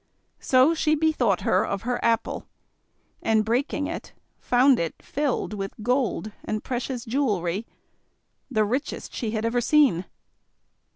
So she bethought her of her apple and breaking it, found it filled with gold and precious jewellery, the richest she had ever seen.